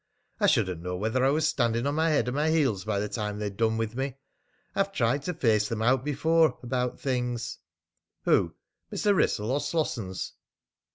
I shouldn't know whether I was standing on my head or my heels by the time they'd done with me. I've tried to face them out before about things." "Who, Mr. Wrissell or Slossons?"